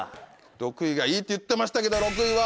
６位がいいって言ってましたけど６位は。